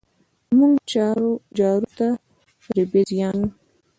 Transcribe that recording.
مونږ جارو ته رېبز يايو